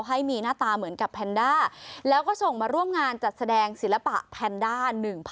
ให้มีหน้าตาเหมือนกับแพนด้าแล้วก็ส่งมาร่วมงานจัดแสดงศิลปะแพนด้า๑๐๐